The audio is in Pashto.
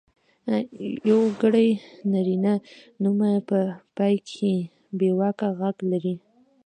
یوګړي نرينه نومونه په پای کې بېواکه غږ لري.